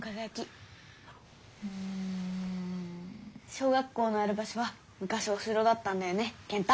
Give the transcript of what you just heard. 小学校のある場所はむかしお城だったんだよね健太。